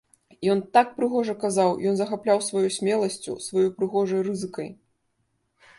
Ён так прыгожа казаў, ён захапляў сваёй смеласцю, сваёй прыгожай рызыкай.